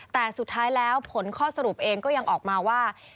แต่สุดท้ายแล้วผลข้อสรุปเองก็ยังออกมาว่า